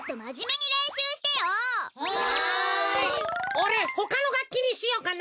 おれほかのがっきにしようかな。